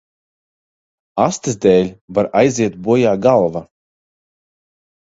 Astes dēļ var aiziet bojā galva.